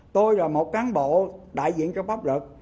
tôi là một cán bộ đại diện cho pháp luật